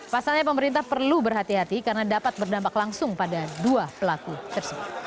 pasalnya pemerintah perlu berhati hati karena dapat berdampak langsung pada dua pelaku tersebut